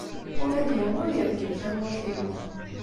Ula d yiwen ur ireggem tamurt-inu.